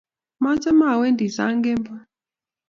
Machame awendi sang' kemboi